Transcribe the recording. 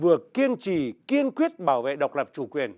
vừa kiên trì kiên quyết bảo vệ độc lập chủ quyền